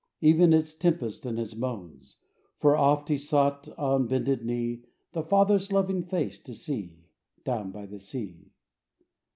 85 Even its tempests and its moans — For oft He sought, on bended knee, The Father's loving face to see, Down by the sea.